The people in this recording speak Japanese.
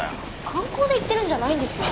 観光で行ってるんじゃないですよ。